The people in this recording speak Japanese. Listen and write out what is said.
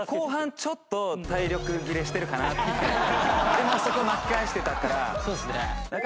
でもそこ巻き返してたから。